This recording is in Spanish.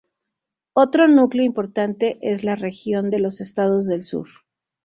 Otro núcleo importante es la región de los estados del sur.